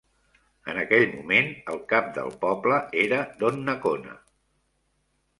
En aquell moment, el cap del poble era Donnacona.